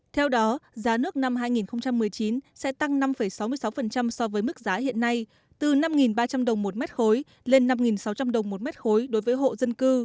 theo đó giá nước năm hai nghìn một mươi chín sẽ tăng năm sáu mươi sáu so với mức giá hiện nay từ năm ba trăm linh đồng một mét khối lên năm sáu trăm linh đồng một mét khối đối với hộ dân cư